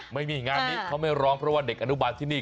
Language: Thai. ไม่มีงานนี้เขาไม่ร้องเพราะว่าเด็กอนุบาลที่นี่